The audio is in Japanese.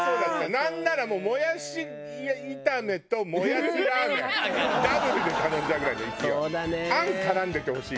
なんならもうもやし炒めともやしラーメンダブルで頼んじゃうぐらいの勢い。